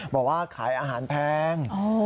บอกว่าขายอาหารแพง